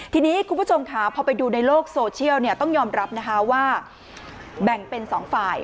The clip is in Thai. ทีนี้คุณผู้ชมค่ะพอไปดูในโลกโซเชียลต้องยอมรับนะคะว่าแบ่งเป็นสองฝ่าย